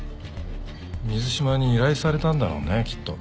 水島に依頼されたんだろうねきっと。